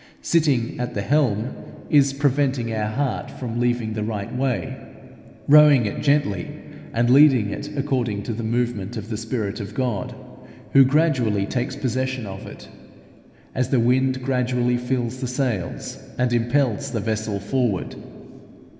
Sitting at the helm is preventing our heart from leaving the right way, rowing it gently, and leading it according to the movement of the Spirit of God, who gradually takes possession of it, as the wind gradually fills the sails, and impels the vessel forward.